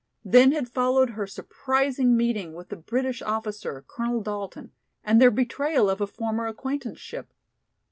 Then had followed her surprising meeting with the British officer, Colonel Dalton, and their betrayal of a former acquaintanceship.